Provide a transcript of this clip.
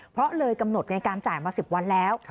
เพราะเลยกำหนดในการจ่ายมา๑๐วันแล้ว